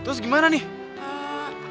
terus gimana nih